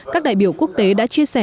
các đại biểu quốc tế đã chia sẻ